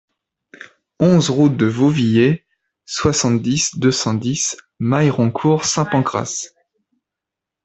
onze route de Vauvillers, soixante-dix, deux cent dix, Mailleroncourt-Saint-Pancras